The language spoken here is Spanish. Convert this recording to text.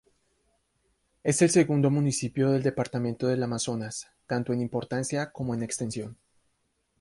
Es el segundo municipio del departamento de Amazonas, tanto en importancia como en extensión.